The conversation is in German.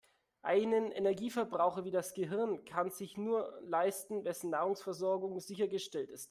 Einen Energieverbraucher wie das Gehirn kann sich nur leisten, wessen Nahrungsversorgung sichergestellt ist.